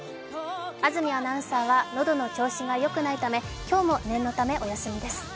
安住アナウンサーは喉の調子がよくないため、今日も念のため、お休みです。